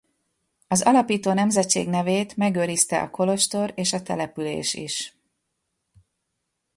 Az alapító nemzetség nevét megőrizte a kolostor és a település is.